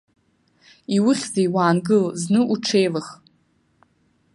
Иухьзеи, уаангыл, зны уҽеилых.